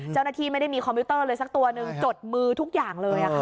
เจ้าหน้าที่ไม่ได้มีคอมพิวเตอร์เลยสักตัวหนึ่งจดมือทุกอย่างเลยค่ะ